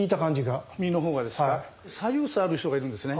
左右差ある人がいるんですね。